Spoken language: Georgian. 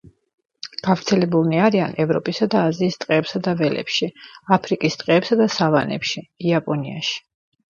გავრცელებულნი არიან ევროპისა და აზიის ტყეებსა და ველებში, აფრიკის ტყეებსა და სავანებში, იაპონიაში.